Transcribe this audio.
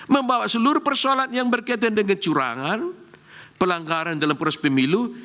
membawa seluruh persoalan yang berkaitan dengan kecurangan pelanggaran dalam proses pemilu